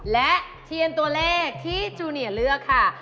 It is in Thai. และเทียนตัวเลขที่จูเนียเลือกค่ะ